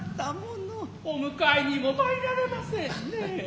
お迎ひにも参られませんねえ。